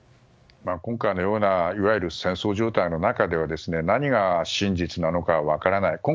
今回のようないわゆる戦争状態の中では何が真実なのか分からない。